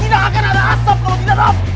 tidak akan ada asap kalau tidak af